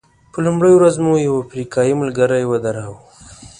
په لومړۍ ورځ مو یو افریقایي ملګری ودراوه.